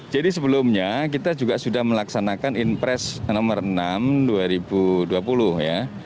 sebelumnya kita juga sudah melaksanakan impres nomor enam dua ribu dua puluh ya